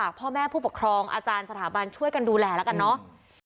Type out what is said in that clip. เด็กต่างสถาบันตีกันแล้วยัง